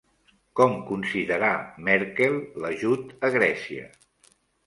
Com considerà Merkel l'ajut a Grècia?